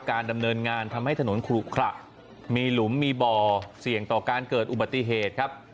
การดำเนินงานทำให้ถนนขลุขระมีหลุมมีบ่อเสี่ยงต่อการเกิดอุบัติเหตุครับ